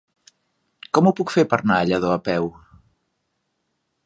Com ho puc fer per anar a Lladó a peu?